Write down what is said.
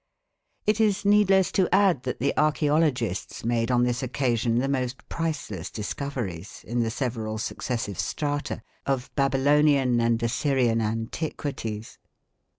It is needless to add that the archæologists made on this occasion the most priceless discoveries, in the several successive strata, of Babylonian and Assyrian antiquities.